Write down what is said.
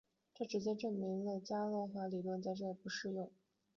这直接证明了伽罗华理论在这里不适用。